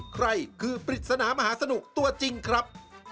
ใครคือปริศนามหาสนุกตัวจริงครับ